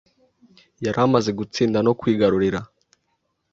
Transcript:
yari amaze gutsinda no kwigarurira